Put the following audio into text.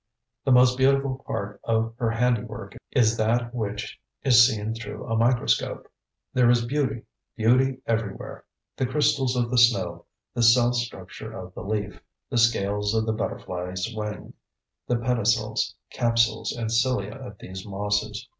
The most beautiful part of her handiwork is that which is seen through a microscope. There is beauty, beauty everywhere; the crystals of the snow, the cell structure of the leaf, the scales of the butterfly's wing, the pedicels, capsules and cilia of these mosses.